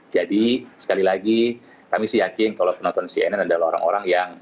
jadi sekali lagi kami yakin kalau penonton cnn adalah orang orang yang